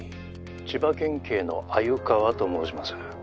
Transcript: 千葉県警の鮎川と申します。